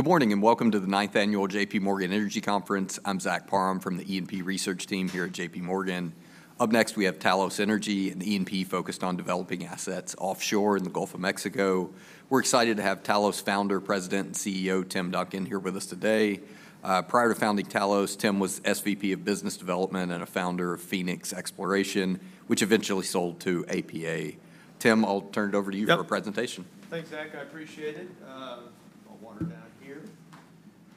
Good morning and welcome to the 9th Annual JPMorgan Energy Conference. I'm Zach Parham from the E&P Research Team here at JPMorgan. Up next, we have Talos Energy, an E&P focused on developing assets offshore in the Gulf of Mexico. We're excited to have Talos founder, President, and CEO Tim Duncan here with us today. Prior to founding Talos, Tim was SVP of Business Development and a founder of Phoenix Exploration, which eventually sold to APA. Tim, I'll turn it over to you for a presentation. Thanks, Zach. I appreciate it. I'll water down here.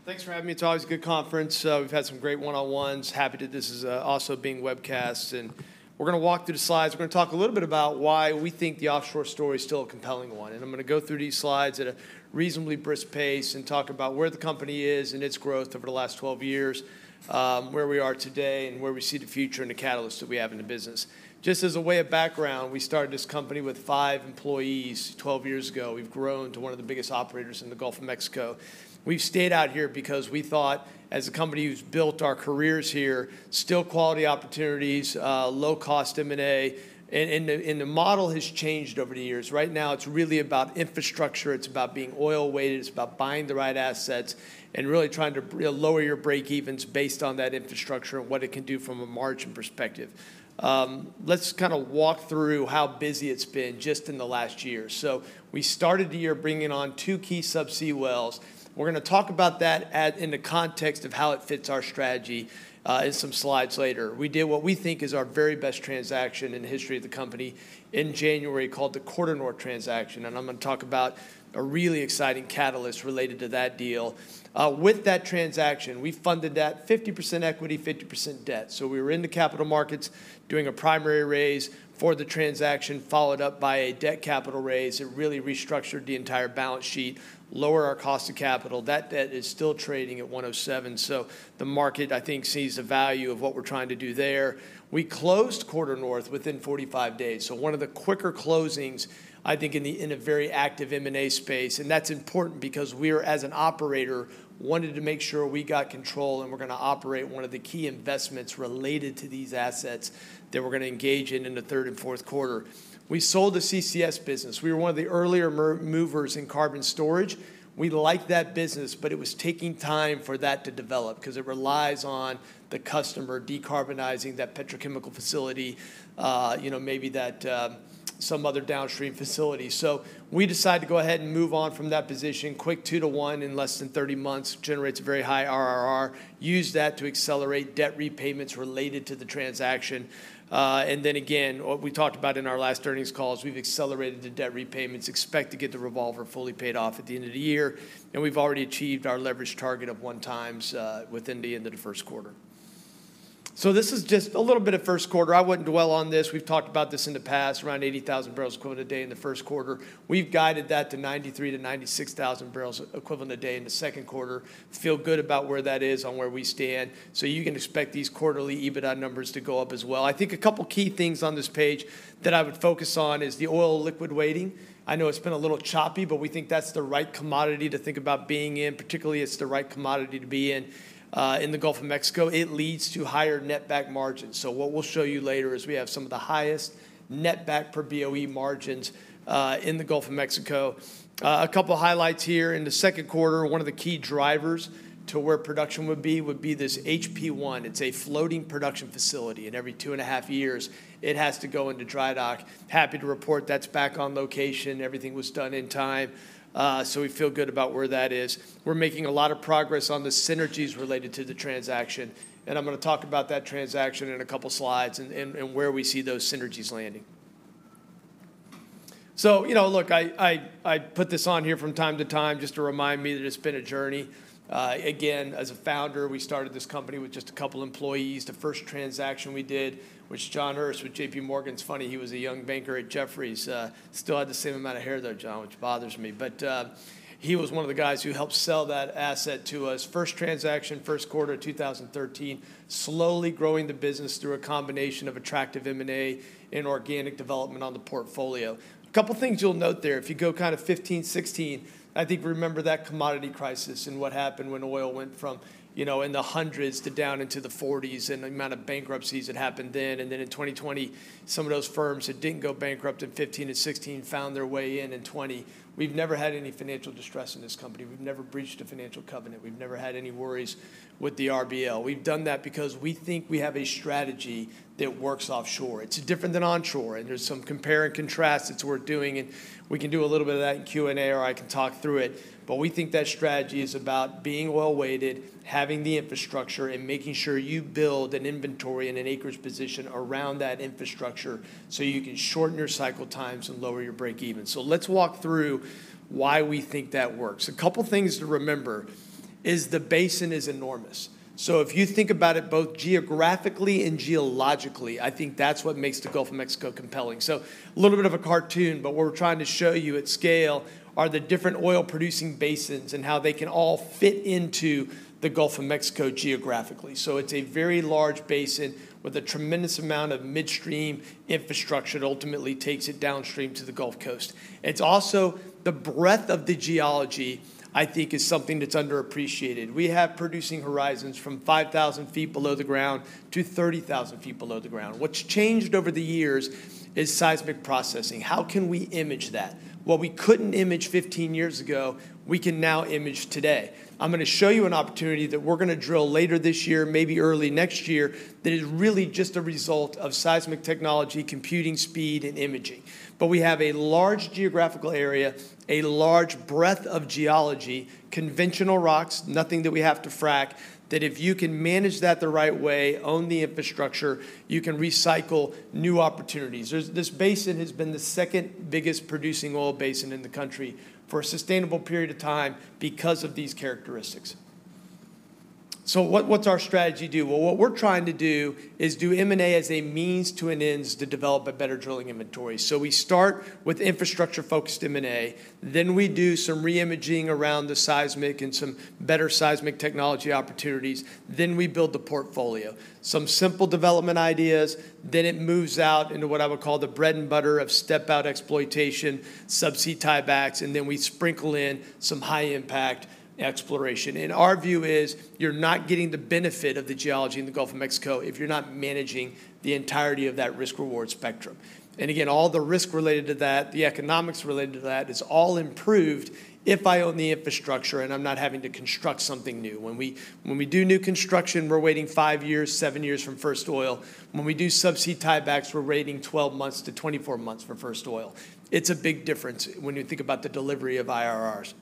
Thanks for having me. It's always a good conference. We've had some great one-on-ones. Happy that this is also being webcast. And we're going to walk through the slides. We're going to talk a little bit about why we think the offshore story is still a compelling one. And I'm going to go through these slides at a reasonably brisk pace and talk about where the company is in its growth over the last 12 years, where we are today, and where we see the future and the catalysts that we have in the business. Just as a way of background, we started this company with five employees 12 years ago. We've grown to one of the biggest operators in the Gulf of Mexico. We've stayed out here because we thought, as a company who's built our careers here, still quality opportunities, low-cost M&A, and the model has changed over the years. Right now, it's really about infrastructure. It's about being oil-weighted. It's about buying the right assets and really trying to lower your break-evens based on that infrastructure and what it can do from a margin perspective. Let's kind of walk through how busy it's been just in the last year. So we started the year bringing on two key subsea wells. We're going to talk about that in the context of how it fits our strategy in some slides later. We did what we think is our very best transaction in the history of the company in January called the QuarterNorth transaction. And I'm going to talk about a really exciting catalyst related to that deal. With that transaction, we funded that 50% equity, 50% debt. So we were in the capital markets doing a primary raise for the transaction, followed up by a debt capital raise that really restructured the entire balance sheet, lowered our cost of capital. That debt is still trading at 107. So the market, I think, sees the value of what we're trying to do there. We closed QuarterNorth within 45 days, so one of the quicker closings, I think, in a very active M&A space. And that's important because we are, as an operator, wanted to make sure we got control and we're going to operate one of the key investments related to these assets that we're going to engage in in the third and fourth quarter. We sold the CCS business. We were one of the earlier movers in carbon storage. We liked that business, but it was taking time for that to develop because it relies on the customer decarbonizing that petrochemical facility, maybe some other downstream facility. So we decided to go ahead and move on from that position. Quick 2-to-1 in less than 30 months generates a very high IRR. Use that to accelerate debt repayments related to the transaction. And then again, what we talked about in our last earnings calls, we've accelerated the debt repayments. Expect to get the revolver fully paid off at the end of the year. And we've already achieved our leveraged target of 1x by the end of the first quarter. So this is just a little bit of first quarter. I wouldn't dwell on this. We've talked about this in the past, around 80,000 barrels equivalent a day in the first quarter. We've guided that to 93,000 to 96,000 barrels equivalent a day in the second quarter. Feel good about where that is on where we stand. So you can expect these quarterly EBITDA numbers to go up as well. I think a couple of key things on this page that I would focus on is the oil liquid weighting. I know it's been a little choppy, but we think that's the right commodity to think about being in, particularly it's the right commodity to be in. In the Gulf of Mexico, it leads to higher netback margins. So what we'll show you later is we have some of the highest netback per BOE margins in the Gulf of Mexico. A couple of highlights here in the second quarter, one of the key drivers to where production would be would be this HP-I. It's a floating production facility. Every 2.5 years, it has to go into dry dock. Happy to report that's back on location. Everything was done in time. So we feel good about where that is. We're making a lot of progress on the synergies related to the transaction. And I'm going to talk about that transaction in a couple of slides and where we see those synergies landing. So look, I put this on here from time to time just to remind me that it's been a journey. Again, as a founder, we started this company with just a couple of employees. The first transaction we did was John Hurst with JPMorgan. It's funny, he was a young banker at Jefferies. Still had the same amount of hair there, John, which bothers me. But he was one of the guys who helped sell that asset to us. First transaction, first quarter of 2013, slowly growing the business through a combination of attractive M&A and organic development on the portfolio. A couple of things you'll note there. If you go kind of 2015, 2016, I think, remember that commodity crisis and what happened when oil went from in the hundreds to down into the forties and the amount of bankruptcies that happened then. Then in 2020, some of those firms that didn't go bankrupt in 2015 and 2016 found their way in 2020. We've never had any financial distress in this company. We've never breached a financial covenant. We've never had any worries with the RBL. We've done that because we think we have a strategy that works offshore. It's different than onshore. And there's some compare and contrast that's worth doing. And we can do a little bit of that in Q&A or I can talk through it. But we think that strategy is about being well-weighted, having the infrastructure, and making sure you build an inventory and an acreage position around that infrastructure so you can shorten your cycle times and lower your break-even. So let's walk through why we think that works. A couple of things to remember is the basin is enormous. So if you think about it both geographically and geologically, I think that's what makes the Gulf of Mexico compelling. So a little bit of a cartoon, but what we're trying to show you at scale are the different oil-producing basins and how they can all fit into the Gulf of Mexico geographically. So it's a very large basin with a tremendous amount of midstream infrastructure that ultimately takes it downstream to the Gulf Coast. It's also the breadth of the geology, I think, is something that's underappreciated. We have producing horizons from 5,000 feet below the ground to 30,000 feet below the ground. What's changed over the years is seismic processing. How can we image that? What we couldn't image 15 years ago, we can now image today. I'm going to show you an opportunity that we're going to drill later this year, maybe early next year, that is really just a result of seismic technology, computing speed, and imaging. But we have a large geographical area, a large breadth of geology, conventional rocks, nothing that we have to frac, that if you can manage that the right way, own the infrastructure, you can recycle new opportunities. This basin has been the second biggest producing oil basin in the country for a sustainable period of time because of these characteristics. So what does our strategy do? Well, what we're trying to do is do M&A as a means to an end to develop a better drilling inventory. So we start with infrastructure-focused M&A. Then we do some re-imaging around the seismic and some better seismic technology opportunities. Then we build the portfolio, some simple development ideas. Then it moves out into what I would call the bread and butter of step-out exploitation, subsea tiebacks, and then we sprinkle in some high-impact exploration. And our view is you're not getting the benefit of the geology in the Gulf of Mexico if you're not managing the entirety of that risk-reward spectrum. And again, all the risk related to that, the economics related to that is all improved if I own the infrastructure and I'm not having to construct something new. When we do new construction, we're waiting five years, seven years from first oil. When we do subsea tiebacks, we're waiting 12-24 months for first oil. It's a big difference when you think about the delivery of IRRs.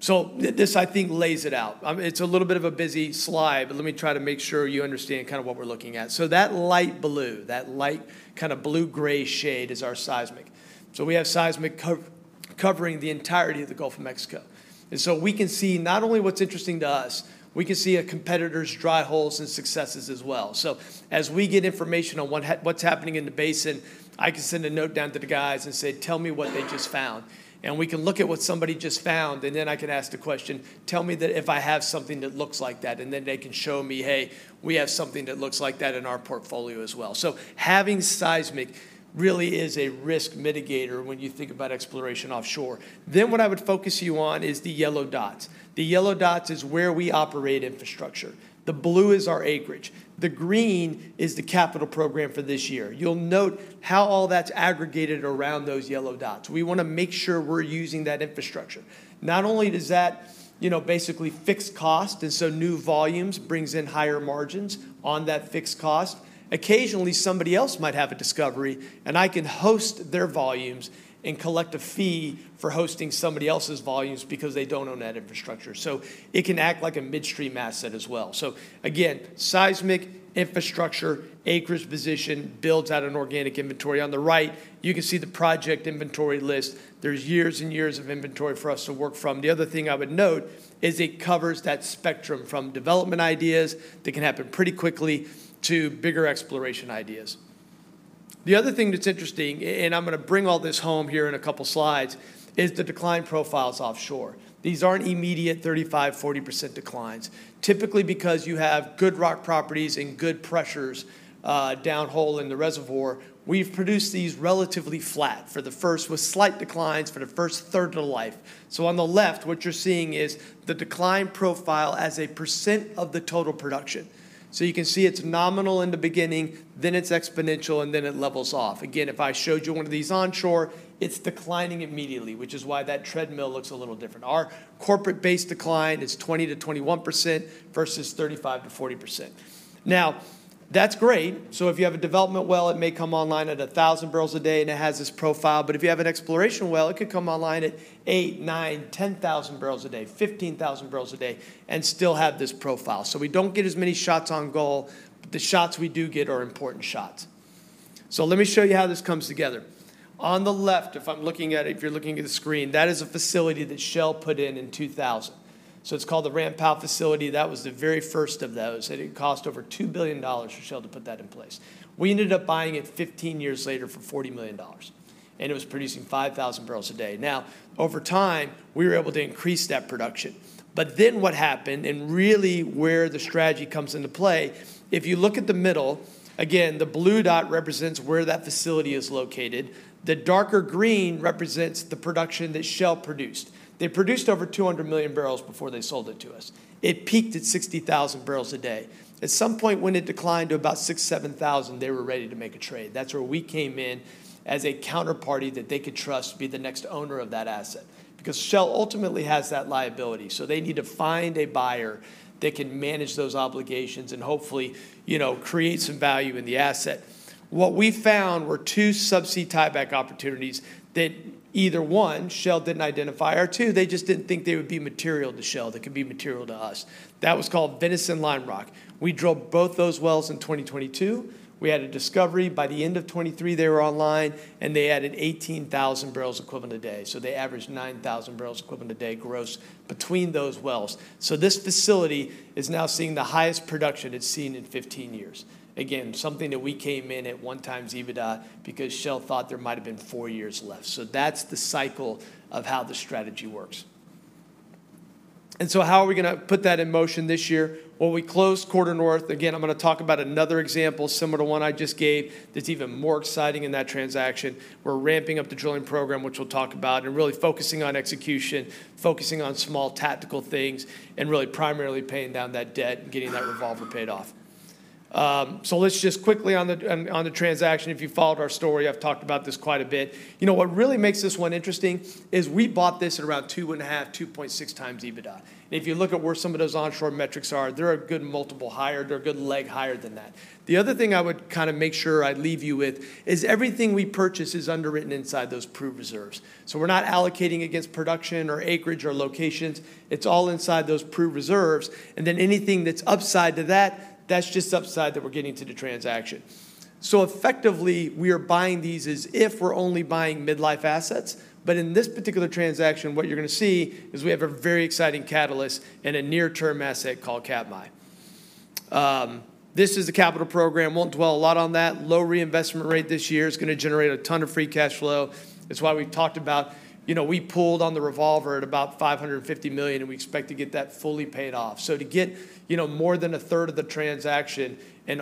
So this, I think, lays it out. It's a little bit of a busy slide, but let me try to make sure you understand kind of what we're looking at. So that light blue, that light kind of blue-gray shade is our seismic. So we have seismic covering the entirety of the Gulf of Mexico. So we can see not only what's interesting to us, we can see a competitor's dry holes and successes as well. So as we get information on what's happening in the basin, I can send a note down to the guys and say, "Tell me what they just found." And we can look at what somebody just found, and then I can ask the question, "Tell me that if I have something that looks like that." And then they can show me, "Hey, we have something that looks like that in our portfolio as well." So having seismic really is a risk mitigator when you think about exploration offshore. Then what I would focus you on is the yellow dots. The yellow dots is where we operate infrastructure. The blue is our acreage. The green is the capital program for this year. You'll note how all that's aggregated around those yellow dots. We want to make sure we're using that infrastructure. Not only does that basically fix cost, and so new volumes brings in higher margins on that fixed cost. Occasionally, somebody else might have a discovery, and I can host their volumes and collect a fee for hosting somebody else's volumes because they don't own that infrastructure. So it can act like a midstream asset as well. So again, seismic infrastructure, acreage position, builds out an organic inventory. On the right, you can see the project inventory list. There's years and years of inventory for us to work from. The other thing I would note is it covers that spectrum from development ideas that can happen pretty quickly to bigger exploration ideas. The other thing that's interesting, and I'm going to bring all this home here in a couple of slides, is the decline profiles offshore. These aren't immediate 35%-40% declines. Typically, because you have good rock properties and good pressures down hole in the reservoir, we've produced these relatively flat for the first with slight declines for the first third of life. So on the left, what you're seeing is the decline profile as a percent of the total production. So you can see it's nominal in the beginning, then it's exponential, and then it levels off. Again, if I showed you one of these onshore, it's declining immediately, which is why that treadmill looks a little different. Our corporate-based decline is 20%-21% versus 35%-40%. Now, that's great. So if you have a development well, it may come online at 1,000 barrels a day, and it has this profile. But if you have an exploration well, it could come online at 8,000; 9,000; 10,000 barrels a day, 15,000 barrels a day, and still have this profile. So we don't get as many shots on goal. The shots we do get are important shots. So let me show you how this comes together. On the left, if I'm looking at it, if you're looking at the screen, that is a facility that Shell put in in 2000. So it's called the Ram Powell Facility. That was the very first of those. And it cost over $2 billion for Shell to put that in place. We ended up buying it 15 years later for $40 million, and it was producing 5,000 barrels a day. Now, over time, we were able to increase that production. But then what happened, and really where the strategy comes into play, if you look at the middle, again, the blue dot represents where that facility is located. The darker green represents the production that Shell produced. They produced over 200 million barrels before they sold it to us. It peaked at 60,000 barrels a day. At some point when it declined to about 6,000, 7,000, they were ready to make a trade. That's where we came in as a counterparty that they could trust to be the next owner of that asset because Shell ultimately has that liability. So they need to find a buyer that can manage those obligations and hopefully create some value in the asset. What we found were two subsea tieback opportunities that either one, Shell didn't identify, or two, they just didn't think they would be material to Shell that could be material to us. That was called Venice and Lime Rock. We drilled both those wells in 2022. We had a discovery. By the end of 2023, they were online, and they added 18,000 barrels equivalent a day. So they averaged 9,000 barrels equivalent a day gross between those wells. So this facility is now seeing the highest production it's seen in 15 years. Again, something that we came in at 1x EBITDA because Shell thought there might have been four years left. So that's the cycle of how the strategy works. And so how are we going to put that in motion this year? Well, we closed QuarterNorth. Again, I'm going to talk about another example similar to one I just gave that's even more exciting in that transaction. We're ramping up the drilling program, which we'll talk about, and really focusing on execution, focusing on small tactical things, and really primarily paying down that debt and getting that revolver paid off. So let's just quickly on the transaction. If you followed our story, I've talked about this quite a bit. What really makes this one interesting is we bought this at around 2.5x-2.6x EBITDA. And if you look at where some of those onshore metrics are, they're a good multiple higher. They're a good leg higher than that. The other thing I would kind of make sure I leave you with is everything we purchase is underwritten inside those proved reserves. So we're not allocating against production or acreage or locations. It's all inside those proved reserves. Then anything that's upside to that, that's just upside that we're getting to the transaction. So effectively, we are buying these as if we're only buying midlife assets. But in this particular transaction, what you're going to see is we have a very exciting catalyst and a near-term asset called Katmai. This is a capital program. Won't dwell a lot on that. Low reinvestment rate this year is going to generate a ton of free cash flow. It's why we've talked about we pulled on the revolver at about $550 million, and we expect to get that fully paid off. So to get more than a third of the transaction and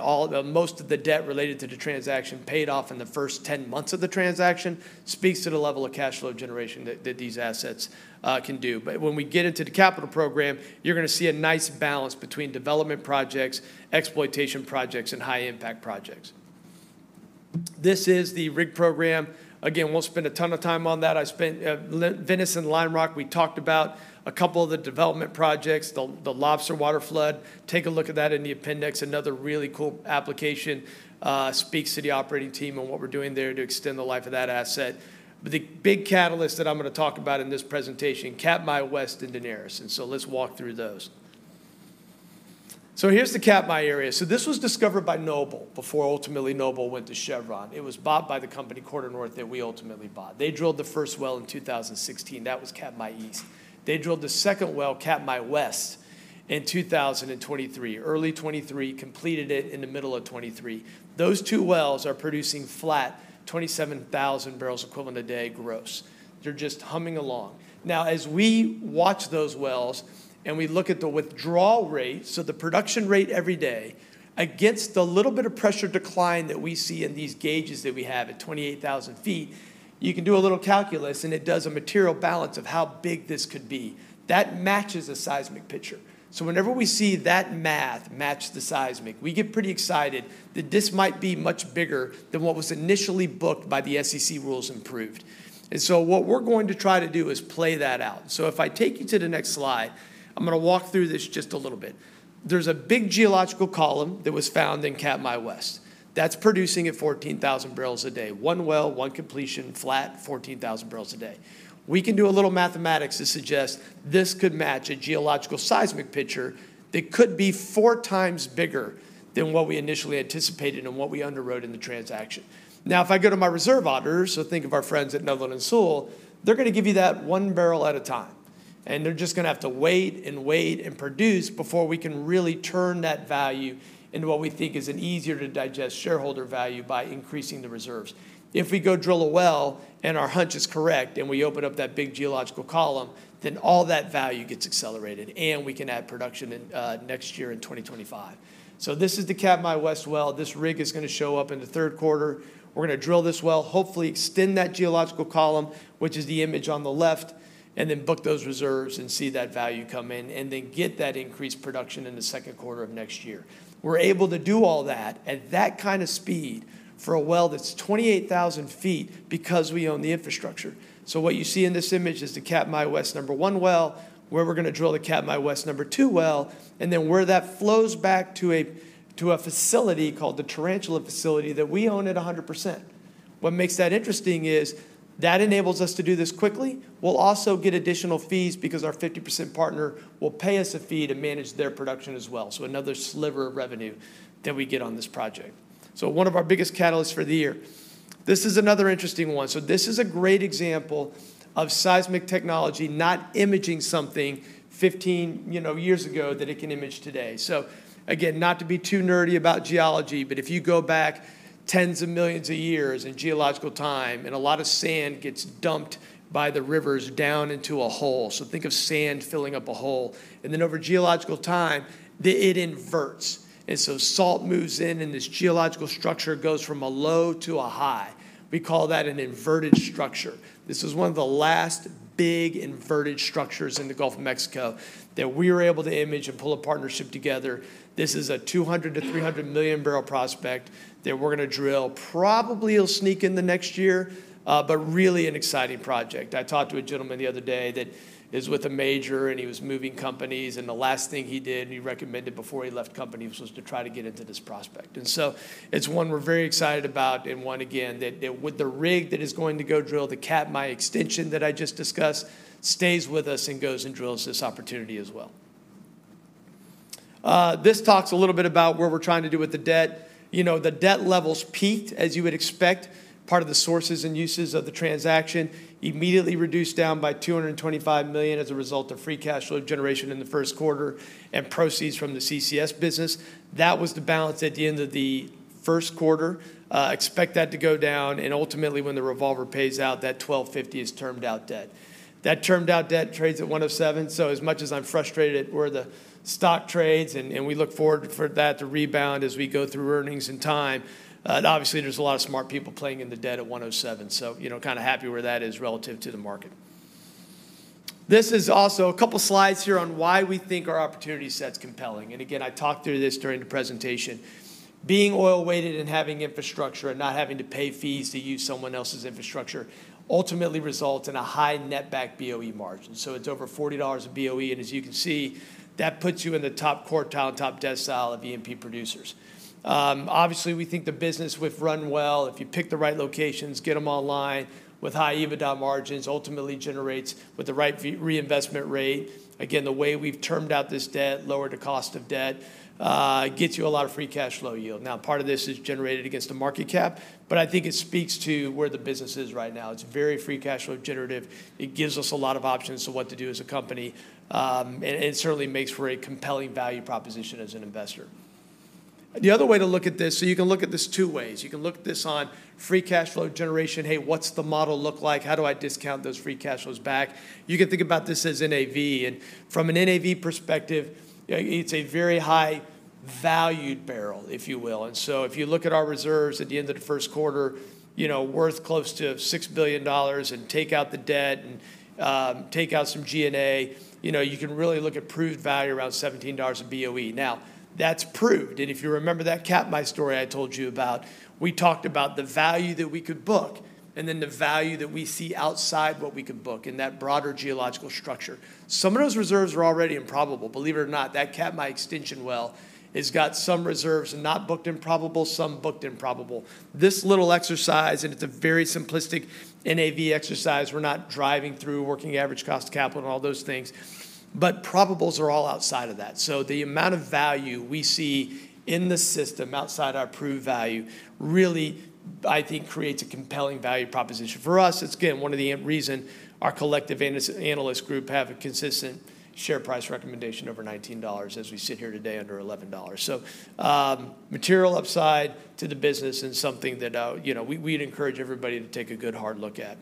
most of the debt related to the transaction paid off in the first 10 months of the transaction speaks to the level of cash flow generation that these assets can do. But when we get into the capital program, you're going to see a nice balance between development projects, exploitation projects, and high-impact projects. This is the rig program. Again, we'll spend a ton of time on that. Venice and Lime Rock, we talked about a couple of the development projects, the Lobster Waterflood. Take a look at that in the appendix. Another really cool application speaks to the operating team and what we're doing there to extend the life of that asset. But the big catalyst that I'm going to talk about in this presentation, Katmai West and Daenerys. And so let's walk through those. So here's the Katmai area. So this was discovered by Noble before ultimately Noble went to Chevron. It was bought by the company QuarterNorth that we ultimately bought. They drilled the first well in 2016. That was Katmai East. They drilled the second well, Katmai West, in 2023, early 2023, completed it in the middle of 2023. Those two wells are producing flat 27,000 barrels equivalent a day gross. They're just humming along. Now, as we watch those wells and we look at the withdrawal rate, so the production rate every day against the little bit of pressure decline that we see in these gauges that we have at 28,000 feet, you can do a little calculus, and it does a material balance of how big this could be. That matches the seismic picture. So whenever we see that math match the seismic, we get pretty excited that this might be much bigger than what was initially booked by the SEC rules improved. And so what we're going to try to do is play that out. So if I take you to the next slide, I'm going to walk through this just a little bit. There's a big geological column that was found in Katmai West. That's producing at 14,000 barrels a day. One well, one completion, flat 14,000 barrels a day. We can do a little mathematics to suggest this could match a geological seismic picture that could be four times bigger than what we initially anticipated and what we underwrote in the transaction. Now, if I go to my reserve auditors, so think of our friends at Netherland, Sewell, they're going to give you that one barrel at a time. And they're just going to have to wait and wait and produce before we can really turn that value into what we think is an easier-to-digest shareholder value by increasing the reserves. If we go drill a well and our hunch is correct and we open up that big geological column, then all that value gets accelerated, and we can add production next year in 2025. So this is the Katmai West well. This rig is going to show up in the third quarter. We're going to drill this well, hopefully extend that geological column, which is the image on the left, and then book those reserves and see that value come in and then get that increased production in the second quarter of next year. We're able to do all that at that kind of speed for a well that's 28,000 feet because we own the infrastructure. So what you see in this image is the Katmai West #1 well, where we're going to drill the Katmai West #2 well, and then where that flows back to a facility called the Tarantula facility that we own 100%. What makes that interesting is that enables us to do this quickly. We'll also get additional fees because our 50% partner will pay us a fee to manage their production as well. So another sliver of revenue that we get on this project. So one of our biggest catalysts for the year. This is another interesting one. So this is a great example of seismic technology not imaging something 15 years ago that it can image today. So again, not to be too nerdy about geology, but if you go back tens of millions of years in geological time and a lot of sand gets dumped by the rivers down into a hole, so think of sand filling up a hole, and then over geological time, it inverts. And so salt moves in, and this geological structure goes from a low to a high. We call that an inverted structure. This is one of the last big inverted structures in the Gulf of Mexico that we were able to image and pull a partnership together. This is a 200-300 million barrel prospect that we're going to drill. Probably it'll sneak in the next year, but really an exciting project. I talked to a gentleman the other day that is with a major, and he was moving companies, and the last thing he did, he recommended before he left companies, was to try to get into this prospect. And so it's one we're very excited about and one, again, that with the rig that is going to go drill the Katmai extension that I just discussed, stays with us and goes and drills this opportunity as well. This talks a little bit about what we're trying to do with the debt. The debt levels peaked, as you would expect. Part of the sources and uses of the transaction immediately reduced down by $225 million as a result of free cash flow generation in the first quarter and proceeds from the CCS business. That was the balance at the end of the first quarter. Expect that to go down. And ultimately, when the revolver pays out, that 1,250 is termed out debt. That termed out debt trades at 107. So as much as I'm frustrated at where the stock trades, and we look forward for that to rebound as we go through earnings and time, obviously, there's a lot of smart people playing in the debt at 107. So kind of happy where that is relative to the market. This is also a couple of slides here on why we think our opportunity set's compelling. And again, I talked through this during the presentation. Being oil-weighted and having infrastructure and not having to pay fees to use someone else's infrastructure ultimately results in a high netback BOE margin. So it's over $40 a BOE. And as you can see, that puts you in the top quartile and top decile of E&P producers. Obviously, we think the business will run well, if you pick the right locations, get them online with high EBITDA margins, ultimately generates with the right reinvestment rate. Again, the way we've termed out this debt, lowered the cost of debt, gets you a lot of free cash flow yield. Now, part of this is generative against the market cap, but I think it speaks to where the business is right now. It's very free cash flow generative. It gives us a lot of options to what to do as a company. And it certainly makes for a compelling value proposition as an investor. The other way to look at this, so you can look at this two ways. You can look at this on free cash flow generation. Hey, what's the model look like? How do I discount those free cash flows back? You can think about this as NAV. From an NAV perspective, it's a very high-valued barrel, if you will. So if you look at our reserves at the end of the first quarter, worth close to $6 billion and take out the debt and take out some G&A, you can really look at proved value around $17 a BOE. Now, that's proved. If you remember that Katmai story I told you about, we talked about the value that we could book and then the value that we see outside what we could book in that broader geological structure. Some of those reserves are already probable. Believe it or not, that Katmai extension well has got some reserves not booked probable, some booked probable. This little exercise, and it's a very simplistic NAV exercise. We're not diving through weighted average cost of capital and all those things. But probables are all outside of that. So the amount of value we see in the system outside our proved value really, I think, creates a compelling value proposition. For us, it's again one of the reasons our collective analyst group has a consistent share price recommendation over $19 as we sit here today under $11. So material upside to the business and something that we'd encourage everybody to take a good hard look at.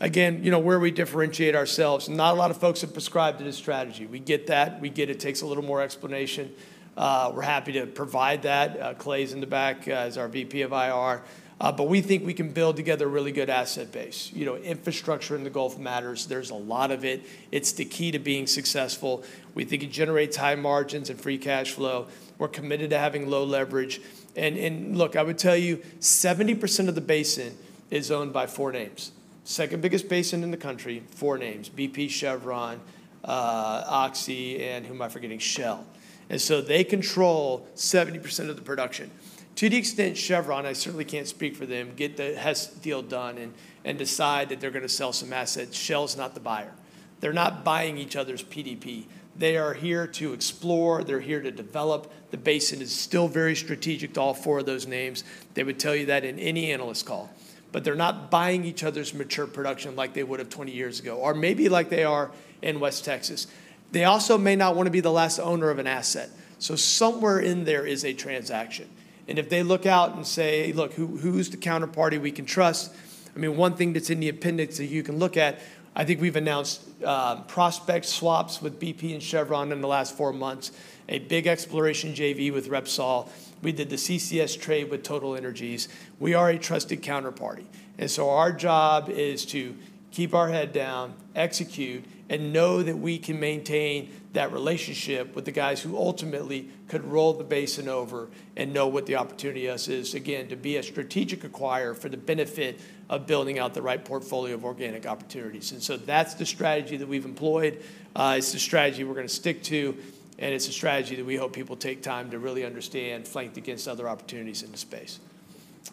Again, where we differentiate ourselves, not a lot of folks have prescribed this strategy. We get that. We get it takes a little more explanation. We're happy to provide that. Clay's in the back as our VP of IR. But we think we can build together a really good asset base. Infrastructure in the Gulf matters. There's a lot of it. It's the key to being successful. We think it generates high margins and free cash flow. We're committed to having low leverage. And look, I would tell you 70% of the basin is owned by four names. Second biggest basin in the country, four names, BP, Chevron, OXY, and who am I forgetting? Shell. And so they control 70% of the production. To the extent Chevron, I certainly can't speak for them, get the Hess deal done and decide that they're going to sell some assets. Shell's not the buyer. They're not buying each other's PDP. They are here to explore. They're here to develop. The basin is still very strategic to all four of those names. They would tell you that in any analyst call. But they're not buying each other's mature production like they would have 20 years ago or maybe like they are in West Texas. They also may not want to be the last owner of an asset. So somewhere in there is a transaction. And if they look out and say, "Hey, look, who's the counterparty we can trust?" I mean, one thing that's in the appendix that you can look at, I think we've announced prospect swaps with BP and Chevron in the last four months, a big exploration JV with Repsol. We did the CCS trade with TotalEnergies. We are a trusted counterparty. And so our job is to keep our head down, execute, and know that we can maintain that relationship with the guys who ultimately could roll the basin over and know what the opportunity is, again, to be a strategic acquirer for the benefit of building out the right portfolio of organic opportunities. And so that's the strategy that we've employed. It's the strategy we're going to stick to. It's a strategy that we hope people take time to really understand, flanked against other opportunities in the space.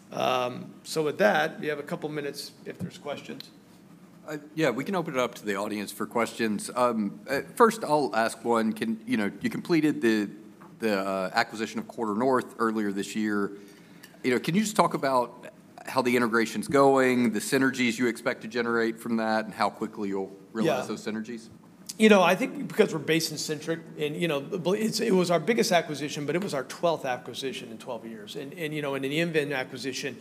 With that, we have a couple of minutes if there's questions. Yeah, we can open it up to the audience for questions. First, I'll ask one. You completed the acquisition of QuarterNorth earlier this year. Can you just talk about how the integration's going, the synergies you expect to generate from that, and how quickly you'll realize those synergies? I think because we're basin-centric, and it was our biggest acquisition, but it was our 12th acquisition in 12 years. And in the EnVen acquisition,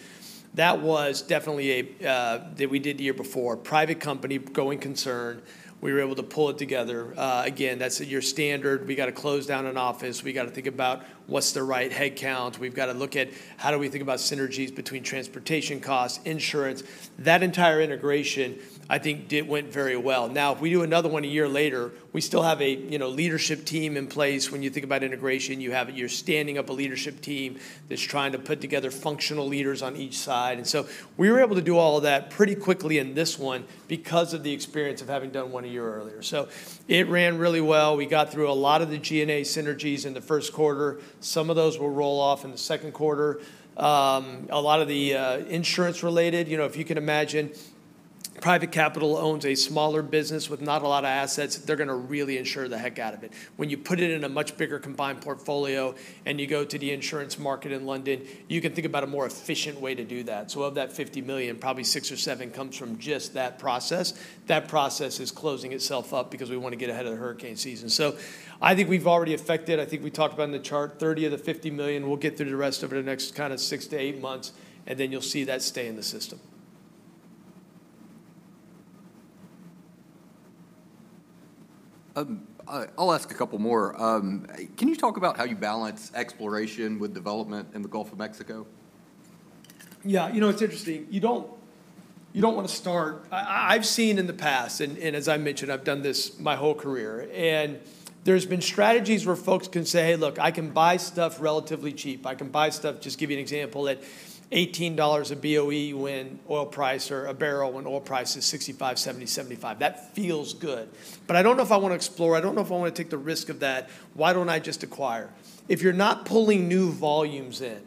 that was definitely that we did the year before, private company going concern. We were able to pull it together. Again, that's your standard. We got to close down an office. We got to think about what's the right headcount. We've got to look at how do we think about synergies between transportation costs, insurance. That entire integration, I think, went very well. Now, if we do another one a year later, we still have a leadership team in place. When you think about integration, you have you're standing up a leadership team that's trying to put together functional leaders on each side. And so we were able to do all of that pretty quickly in this one because of the experience of having done one a year earlier. So it ran really well. We got through a lot of the G&A synergies in the first quarter. Some of those will roll off in the second quarter. A lot of the insurance-related, if you can imagine, private capital owns a smaller business with not a lot of assets. They're going to really ensure the heck out of it. When you put it in a much bigger combined portfolio and you go to the insurance market in London, you can think about a more efficient way to do that. So of that $50 million, probably $6 million or $7 million comes from just that process. That process is closing itself up because we want to get ahead of the hurricane season. So I think we've already affected, I think we talked about in the chart, 30 of the $50 million. We'll get through the rest over the next kind of six to eight months, and then you'll see that stay in the system. I'll ask a couple more. Can you talk about how you balance exploration with development in the Gulf of Mexico? Yeah. It's interesting. You don't want to start. I've seen in the past, and as I mentioned, I've done this my whole career. And there's been strategies where folks can say, "Hey, look, I can buy stuff relatively cheap. I can buy stuff," just give you an example, "at $18 a BOE when oil price or a barrel when oil price is $65, $70, $75." That feels good. But I don't know if I want to explore. I don't know if I want to take the risk of that. Why don't I just acquire? If you're not pulling new volumes in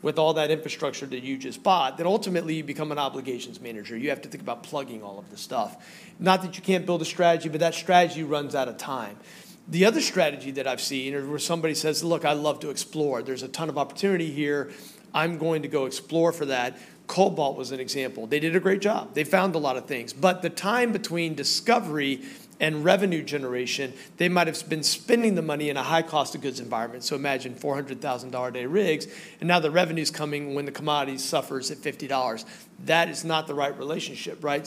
with all that infrastructure that you just bought, then ultimately you become an obligations manager. You have to think about plugging all of the stuff. Not that you can't build a strategy, but that strategy runs out of time. The other strategy that I've seen where somebody says, "Look, I'd love to explore. There's a ton of opportunity here. I'm going to go explore for that." Cobalt was an example. They did a great job. They found a lot of things. But the time between discovery and revenue generation, they might have been spending the money in a high cost of goods environment. So imagine $400,000 a day rigs, and now the revenue's coming when the commodity suffers at $50. That is not the right relationship, right?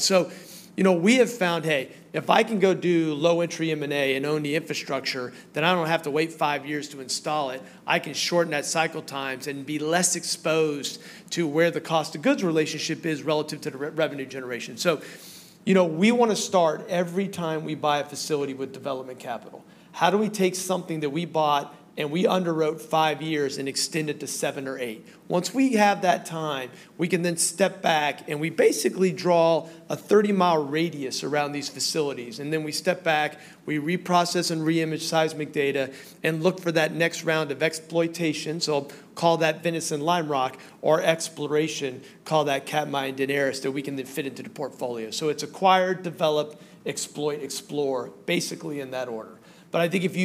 So we have found, "Hey, if I can go do low-entry M&A and own the infrastructure, then I don't have to wait five years to install it. I can shorten that cycle times and be less exposed to where the cost of goods relationship is relative to the revenue generation." So we want to start every time we buy a facility with development capital. How do we take something that we bought and we underwrote five years and extend it to seven or eight? Once we have that time, we can then step back, and we basically draw a 30-mile radius around these facilities. And then we step back, we reprocess and reimage seismic data and look for that next round of exploitation. So call that Venice and Lime Rock or exploration, call that Katmai and Daenerys, that we can then fit into the portfolio. So it's acquired, develop, exploit, explore, basically in that order. But I think if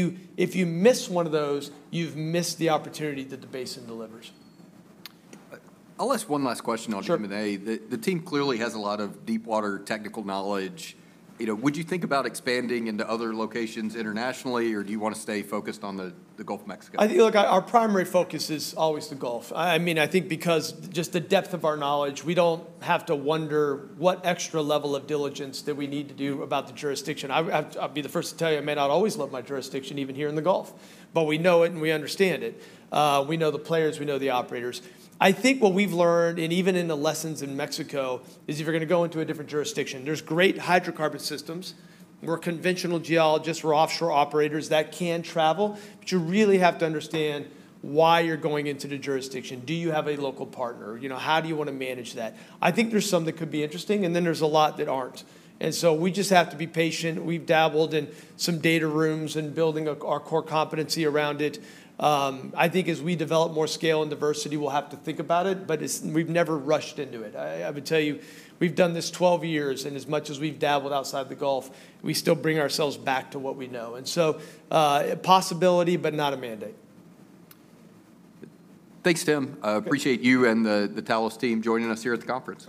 you miss one of those, you've missed the opportunity that the basin delivers. I'll ask one last question, if you may. The team clearly has a lot of deepwater technical knowledge. Would you think about expanding into other locations internationally, or do you want to stay focused on the Gulf of Mexico? Look, our primary focus is always the Gulf. I mean, I think because just the depth of our knowledge, we don't have to wonder what extra level of diligence that we need to do about the jurisdiction. I'll be the first to tell you, I may not always love my jurisdiction, even here in the Gulf. But we know it and we understand it. We know the players. We know the operators. I think what we've learned, and even in the lessons in Mexico, is if you're going to go into a different jurisdiction, there's great hydrocarbon systems. We're conventional geologists. We're offshore operators that can travel. But you really have to understand why you're going into the jurisdiction. Do you have a local partner? How do you want to manage that? I think there's some that could be interesting, and then there's a lot that aren't. And so we just have to be patient. We've dabbled in some data rooms and building our core competency around it. I think as we develop more scale and diversity, we'll have to think about it. But we've never rushed into it. I would tell you, we've done this 12 years. And as much as we've dabbled outside the Gulf, we still bring ourselves back to what we know. And so possibility, but not a mandate. Thanks, Tim. Appreciate you and the Talos team joining us here at the conference.